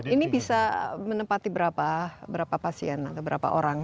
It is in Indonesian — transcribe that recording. ini bisa menempati berapa pasien atau berapa orang